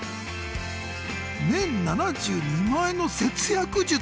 「年７２万円の節約術」？